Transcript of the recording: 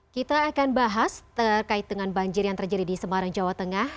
kita akan bahas terkait dengan banjir yang terjadi di semarang jawa tengah